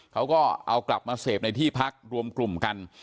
เขาก็เอากลับมาเสพในที่พักรวมกลุ่มกัน